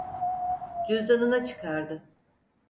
Cüzdanını çıkardı.